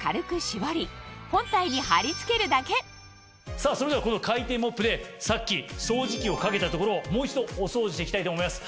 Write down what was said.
さぁそれではこの回転モップでさっき掃除機をかけた所をもう一度お掃除していきたいと思います。